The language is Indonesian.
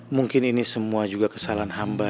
mungkin ini semua juga kesalahan hamba